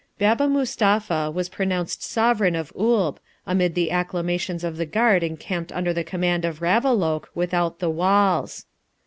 Baba Mustapha, was pronounced Sovereign of Oolb, amid the acclamations of the guard encamped under the command of Ravaloke, without the walls.